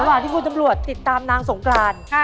ระหว่างที่คุณตำรวจติดตามนางสงกราน